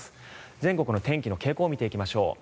全国の天気の傾向を見ていきましょう。